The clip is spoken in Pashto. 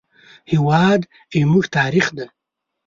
هېواد زموږ تاریخ دی